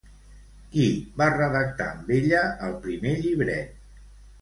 Qui va redactar amb ella el primer llibret?